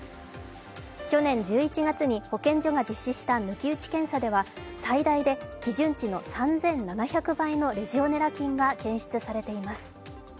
去年１１月に保健所が実施した抜き打ち検査では最大で基準値の３７００倍のレジオネラ菌が検出されています。